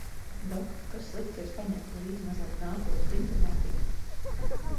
Dok, kas slikts, ja es paņemtu līdzi mazliet nākotnes informācijas?